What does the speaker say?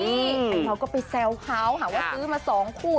ไอเหล่าก็ไปแซวเขาหาว่าซื้อมาสองคู่